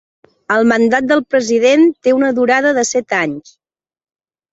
El mandat del president té una durada de set anys.